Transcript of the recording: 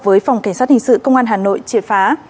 với phòng cảnh sát hình sự công an hà nội triệt phá